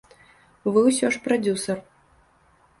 Вы ўсё ж прадзюсар.